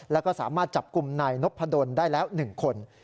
แล้วก็สามารถจับกลุ่มนายนพดลได้แล้ว๑คน